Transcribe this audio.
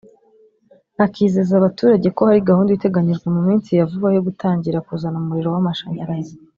akizeza abaturage ko hari gahunda iteganyijwe mu minsi ya vuba yo gutangira kuzana umuriro w’amashanyarazi